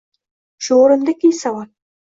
Shu o‘rinda ikkinchi savol...